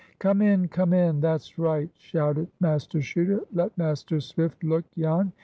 "Come in, come in! That's right!" shouted Master Chuter. "Let Master Swift look, Jan.